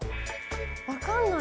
分かんない。